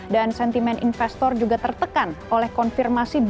dan sentimen investor juga tertekan oleh konfirmasi berikutnya